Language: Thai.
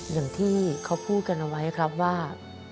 อย่างที่เขาพูดกันเอาไว้ครับว่า